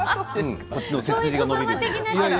こっちの背筋が伸びる。